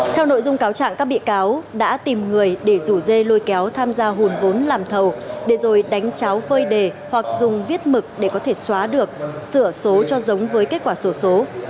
theo nội dung cáo trạng các bị cáo đã tìm người để rủ dê lôi kéo tham gia hùn vốn làm thầu để rồi đánh cháo phơi đề hoặc dùng viết mực để có thể xóa được sửa số cho giống với kết quả sổ số